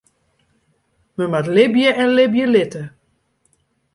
Men moat libje en libje litte.